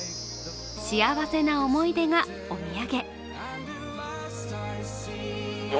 幸せな思い出がお土産。